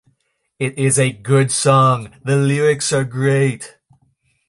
It's a good song, the lyrics are great.